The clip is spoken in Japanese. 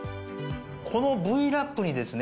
このＶ−Ｌａｐにですね